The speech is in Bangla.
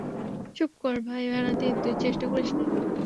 চুপ কর, ভাই ভানাথি, তুই চেষ্টা করিসনি?